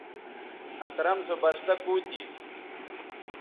اکرم سو بستہ کُو تھی